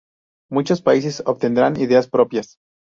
Muchos países obtendrán ideas propias.